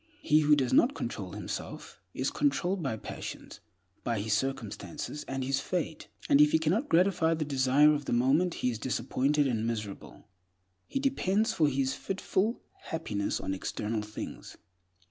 He who does not control himself, is controlled by passions, by his circumstances, and his fate; and if he cannot gratify the desire of the moment, he is disappointed and miserable. He depends for his fitful happiness on external things.